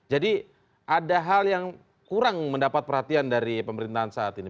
jadi ada hal yang kurang mendapat perhatian dari pemerintahan saat ini